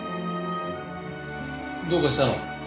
どうかしたの？